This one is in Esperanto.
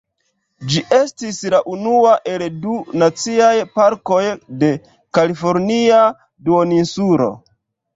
Ĝi estis la unua el du naciaj parkoj de Kalifornia Duoninsulo.